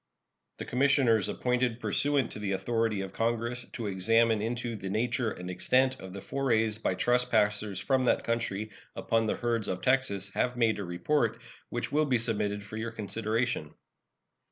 The commissioners appointed pursuant to the authority of Congress to examine into the nature and extent of the forays by trespassers from that country upon the herds of Texas have made a report, which will be submitted for your consideration.